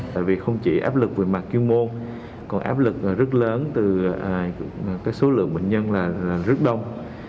tại vì không chỉ áp lực về mặt chuyên môn còn áp lực rất lớn từ số lượng bệnh nhân là rất đông